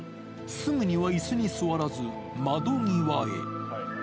すぐにはいすに座らず、窓際へ。